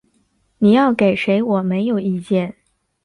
你要给谁我没有意见